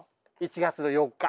１月４日。